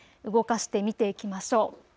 動かして見ていきましょう。